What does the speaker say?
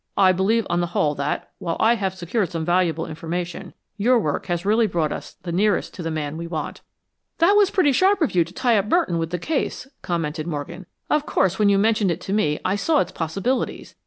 "I believe on the whole that, while I have secured some valuable information, your work has really brought us the nearest to the man we want." "That was pretty sharp of you to tie up Merton with the case," commented Morgan. "Of course, when you mentioned it to me I saw its possibilities.